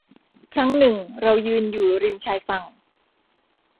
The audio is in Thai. ครั้งหนึ่งเรายืนอยู่ริมชายฝั่ง